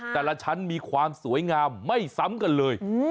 แต่ละชั้นมีความสวยงามไม่ซ้ำกันเลย